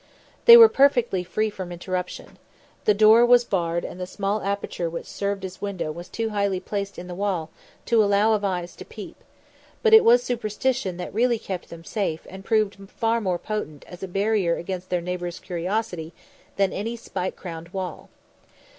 They were perfectly free from interruption. The door was barred and the small aperture which served as window was too highly placed in the wall to allow of eyes to peep; but it was superstition that really kept them safe and proved far more potent as a barrier against their neighbours' curiosity than any spike crowned wall.